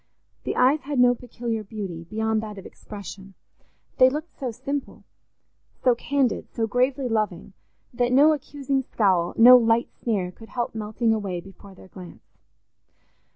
The eyes had no peculiar beauty, beyond that of expression; they looked so simple, so candid, so gravely loving, that no accusing scowl, no light sneer could help melting away before their glance.